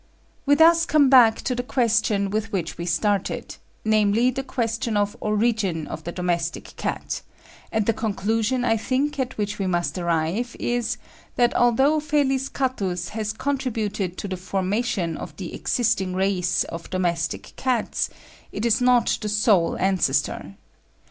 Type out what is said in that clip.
"We thus come back to the question with which we started, namely, the question of origin of the domestic cat; and the conclusion, I think, at which we must arrive is, that although Felis catus has contributed to the formation of the existing race of domestic cats, it is not the sole ancestor.